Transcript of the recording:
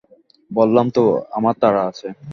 বললাম তো, আমার তাড়া আছে।